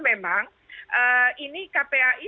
memang ini kpai